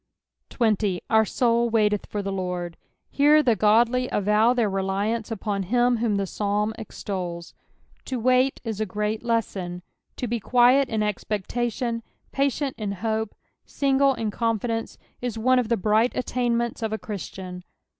80. " Our toul tcaitethfor the £<>rd." Hero the godly avow their reliance upon him whom the Psalm extols. To wait is a great lesson. To be quiet in expcctatioii, iMtient in hope, single in confidence, is one of the bright attainments of a Christian.